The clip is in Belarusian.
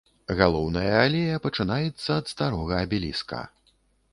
Галоўная алея пачынаецца ад старога абеліска.